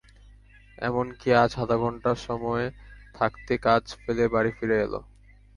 এমন-কি, আজ আধঘণ্টা সময় থাকতেই কাজ ফেলে বাড়ি ফিরে এল।